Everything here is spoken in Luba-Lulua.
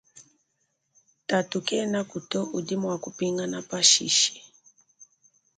Tatu kenaku to udi muakupingana pashishe.